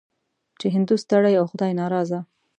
چې هندو ستړی او خدای ناراضه.